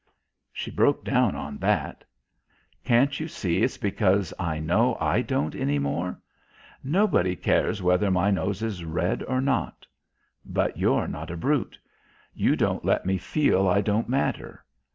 She broke down on that. "Can't you see it's because I know I don't any more? Nobody cares whether my nose is red or not. But you're not a brute. You don't let me feel I don't matter.